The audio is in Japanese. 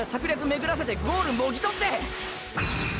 めぐらせてゴールもぎ獲って！！